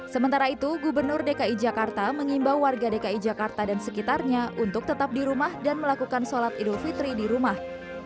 sementara itu gubernur dki jakarta mengimbau warga dki jakarta dan sekitarnya untuk tetap di rumah dan melakukan sholat idul fitri di rumah